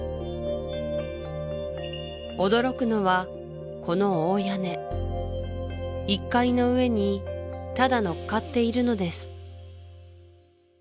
驚くのはこの大屋根１階の上にただ乗っかっているのです